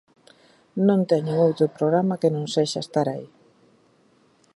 Non teñen outro programa que non sexa estar aí.